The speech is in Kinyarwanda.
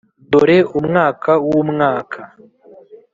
'dore umwaka wumwaka.